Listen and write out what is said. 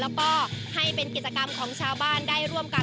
แล้วก็ให้เป็นกิจกรรมของชาวบ้านได้ร่วมกัน